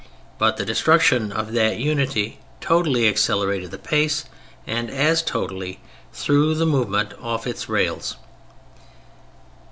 But the destruction of that unity totally accelerated the pace and as totally threw the movement off its rails.